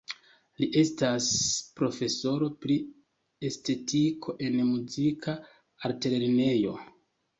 Li estas profesoro pri estetiko en muzika altlernejo.